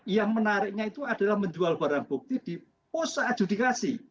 yang menariknya itu adalah menjual barang bukti di pos adjudikasi